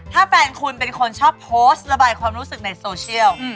ถ้าแฟนคุณเป็นคนชอบโพสต์ระบายความรู้สึกในโซเชียล